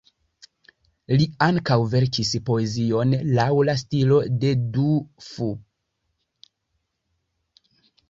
Li ankaŭ verkis poezion laŭ la stilo de Du Fu.